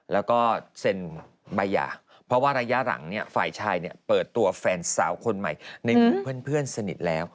แล้วก็เซ็นใบหย่าเพราะว่าระยะหลังเนี่ยฝ่ายชายเปิดตัวแฟนสาวคนใหม่ในหมู่เพื่อนสนิทแล้ว